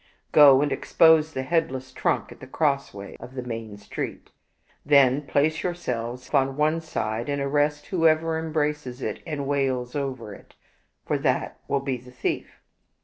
Go and expose the headless trunk at the crossway of the main street. Then place yourselves on one side, and arrest whoever embraces it and wails over it, for that will be the thief."